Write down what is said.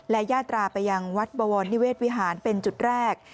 และยาตราไปยังวัดบวรนิเวศวิหารเป็นจุดแรก